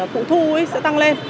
phụ thu ấy sẽ tăng lên